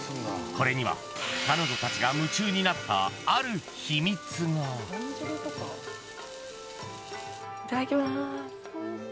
これには彼女たちが夢中になったある秘密がいただきます